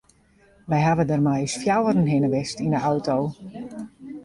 We hawwe dêr mei ús fjouweren hinne west yn de auto.